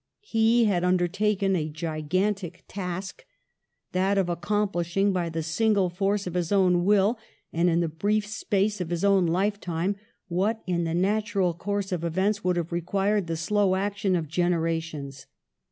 He had undertaken a gigantic task, that of accomplishing by the single force of his own will, and in the brief space of his own life time, what, in the natural course of events, would have required the slow action of genera tions.